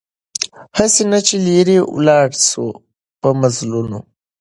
هسي نه چي لیري ولاړ سو په مزلونو